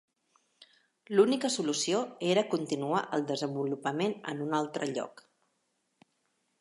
L'única solució era continuar el desenvolupament en un altre lloc.